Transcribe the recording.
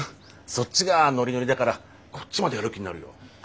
そっちがノリノリだからこっちまでやる気になるよ。